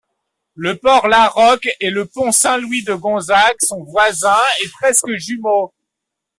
Le pont Larocque et le Pont Saint-Louis-de-Gonzague sont voisins et presque jumeaux.